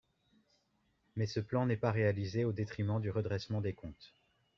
Mais ce plan n’est pas réalisé au détriment du redressement des comptes.